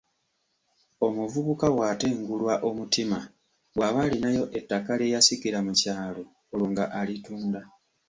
Omuvubuka bw'atengulwa omutima, bw’aba alinayo ettaka lye yasikira mu kyalo olwo nga alitunda.